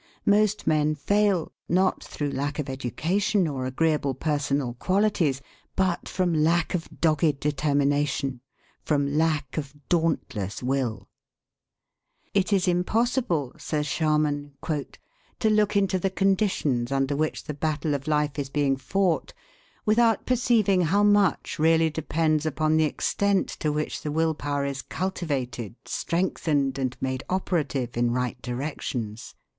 Most men fail, not through lack of education or agreeable personal qualities, but from lack of dogged determination, from lack of dauntless will. "It is impossible," says Sharman, "to look into the conditions under which the battle of life is being fought, without perceiving how much really depends upon the extent to which the will power is cultivated, strengthened, and made operative in right directions."